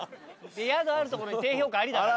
宿ある所に低評価ありだから。